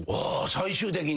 最終的に？